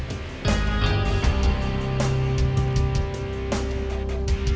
apakah adanya zamannya elle yang berkulit apa dibawa